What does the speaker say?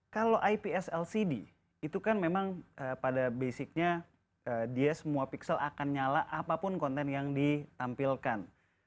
kalau ips lcd itu kan memang pada basicnya dia semua pixel akan nyala apapun konten yang ditampilkan